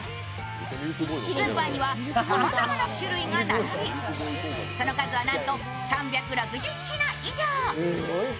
スーパーにはさまざまな種類が並びその数はなんと３６０品以上。